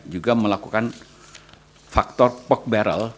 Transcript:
juga melakukan faktor pokberal